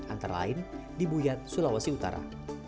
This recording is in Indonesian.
antara lain di buyat sulawesi utara